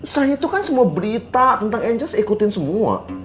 saya itu kan semua berita tentang angel saya ikutin semua